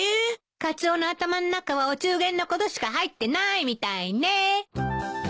カツオの頭ん中はお中元のことしか入ってないみたいね。